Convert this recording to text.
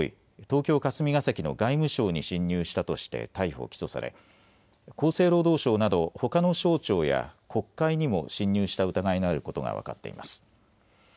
東京霞が関の外務省に侵入したとして逮捕・起訴され厚生労働省などほかの省庁や国会にも侵入した疑いのあることが分かっています。